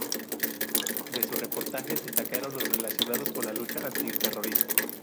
De sus reportajes destacaron los relacionados con la lucha antiterrorista.